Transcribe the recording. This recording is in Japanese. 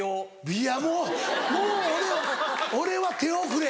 いやもうもう俺は俺は手遅れ。